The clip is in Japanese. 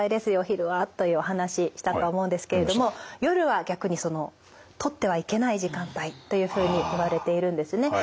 昼はというお話したと思うんですけれども夜は逆にそのとってはいけない時間帯というふうにいわれているんですね。